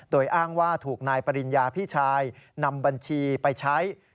โดยอ้างว่าถูกนายปริญญาพี่ชายนำบัญชีไปใช้